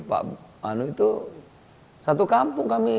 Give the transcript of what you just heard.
pak anu itu satu kampung kami